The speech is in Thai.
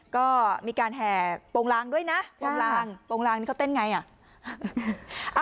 ก็มีการแห่โปรงลางด้วยนะโปรงลางโปรงลางนี่เขาเต้นไงอ่ะ